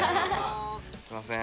すみません。